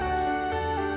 dia bisa jauh lebih baik